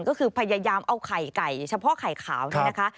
ก็คือพยายามเอาไข่ไก่เฉพาะไข่ขาวนี่นะคะ